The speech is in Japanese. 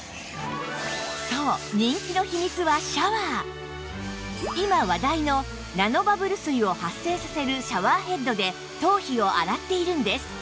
そう今話題のナノバブル水を発生させるシャワーヘッドで頭皮を洗っているんです